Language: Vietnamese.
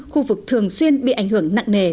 khu vực thường xuyên bị ảnh hưởng nặng nề